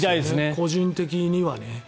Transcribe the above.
個人的にはね。